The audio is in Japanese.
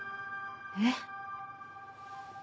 えっ？